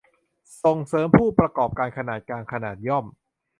ส่งเสริมผู้ประกอบการขนาดกลาง ขนาดย่อม